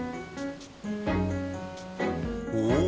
おお！